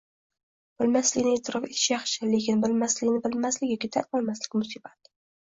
Bilmasligini e’tirof etish yaxshi, lekin bilmasligini bilmaslik yoki tan olmaslik musibat.